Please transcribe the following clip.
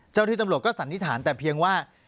ที่ตำรวจก็สันนิษฐานแต่เพียงว่า